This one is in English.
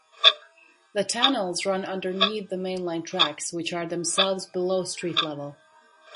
The tunnels run underneath the mainline tracks, which are themselves below street level.